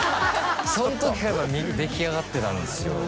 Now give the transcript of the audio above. そんときから出来上がってたんですよ。